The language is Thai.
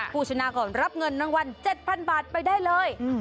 ผู้ชนะก่อนรับเงินรางวัล๗๐๐บาทไปได้เลย